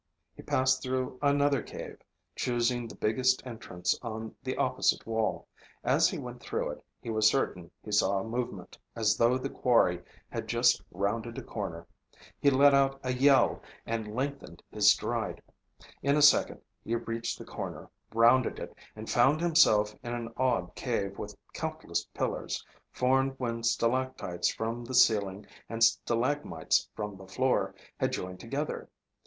He passed through another cave, choosing the biggest entrance on the opposite wall. As he went through it, he was certain he saw a movement, as though the quarry had just rounded a corner. He let out a yell and lengthened his stride. In a second he reached the corner, rounded it, and found himself in an odd cave with countless pillars, formed when stalactites from the ceiling and stalagmites from the floor had joined together.